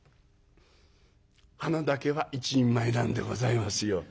鼻だけは一人前なんでございますよ。